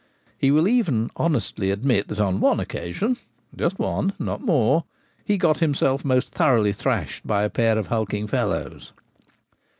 He will even honestly admit that on one Fines Paid by Subscription. 197 occasion— just one, not more— he got himself most thoroughly thrashed by a pair of hulking fellows.